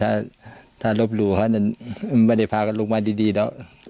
ถ้ารบหลู่เขาไม่ได้พากันลงมาดีแล้ว